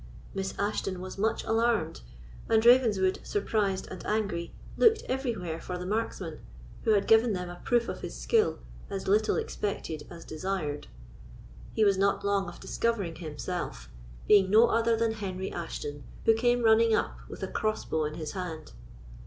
Miss Ashton was much alarmed, and Ravenswood, surprised and angry, looked everywhere for the marksman, who had given them a proof of his skill as little expected as desired. He was not long of discovering himself, being no other than Henry Ashton, who came running up with a crossbow in his hand.